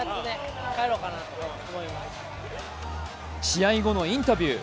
試合後のインタビュー。